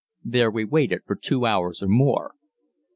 There we waited for two hours or more.